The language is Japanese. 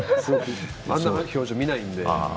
あんな具選手の表情見ないので。